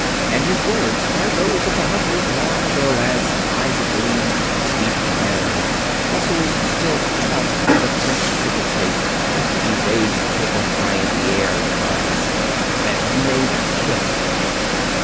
And his words are those of the hunter of long ago as, eyes a gleam, teeth bared, muscles still taut with the tenseness of the chase, he waves the paper high in air and cries, "I've made a killing!"